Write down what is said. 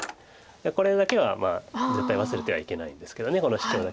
これだけは絶対忘れてはいけないんですけどこのシチョウだけは。